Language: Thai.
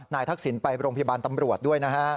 ทักษิณไปโรงพยาบาลตำรวจด้วยนะฮะ